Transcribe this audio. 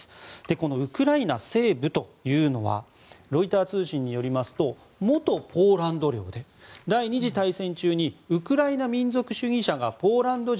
このウクライナ西部というのはロイター通信によりますと元ポーランド領で第２次大戦中にウクライナ民族主義者がポーランド人